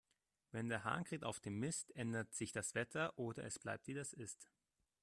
Wenn der Hahn kräht auf dem Mist, ändert sich das Wetter, oder es bleibt, wie es ist.